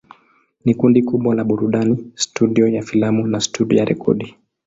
Ni kundi kubwa la burudani, studio ya filamu na studio ya rekodi.